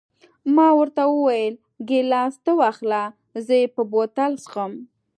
ما ورته وویل: ګیلاس ته واخله، زه یې په بوتل کې څښم.